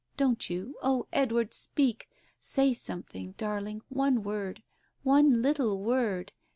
Don't you ? Oh, Edward, speak ! Say something, darling, one word — one little word